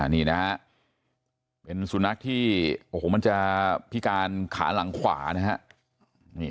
นี่นะเป็นสูญนักที่มันจะพิการขาหลังขวานะฮะ